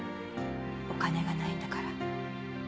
お金がないんだから。